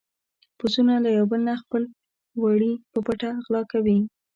پسونو له يو بل نه خپل وړي په پټه غلا کولې.